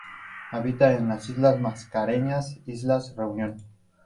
Habita en las Islas Mascareñas, islas Reunión.